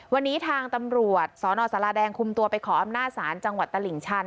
วันนี้ทางตำรวจสนสาราแดงคุมตัวไปขออำนาจศาลจังหวัดตลิ่งชัน